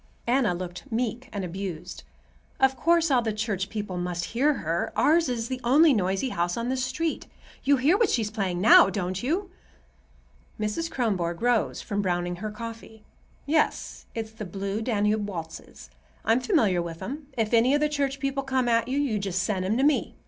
Anna looked meek and abused. "Of course all the church people must hear her. Ours is the only noisy house on this street. You hear what she's playing now, don't you?" Mrs. Kronborg rose from browning her coffee. "Yes; it's the Blue Danube waltzes. I'm familiar with 'em. If any of the church people come at you, you just send 'em to me.